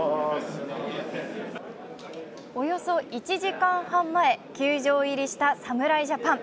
およそ１時間半前、球場入りした侍ジャパン。